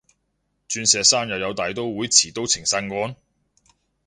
鑽石山又有大刀會持刀情殺案？